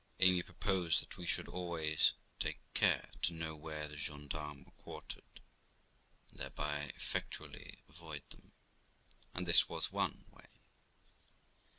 Amy proposed that we should always take care to know where the gens d'armes were quartered, and thereby effectually avoid them; and this was one way.